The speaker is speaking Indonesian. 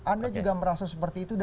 anda juga merasa seperti itu